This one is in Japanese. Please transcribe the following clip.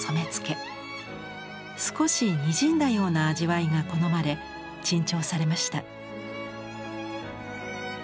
少しにじんだような味わいが好まれ珍重されました。